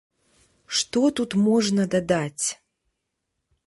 Што тут можна дадаць?!